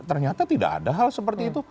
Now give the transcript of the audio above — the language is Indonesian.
ternyata tidak ada hal seperti itu